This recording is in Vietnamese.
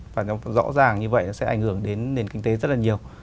và nó rõ ràng như vậy nó sẽ ảnh hưởng đến nền kinh tế rất là nhiều